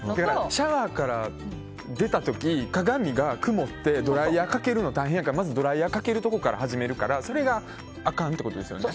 シャワーから出た時鏡がくもってドライヤーかけるの大変やからまずドライヤーかけるところから始めるからそれがあかんってことですよね。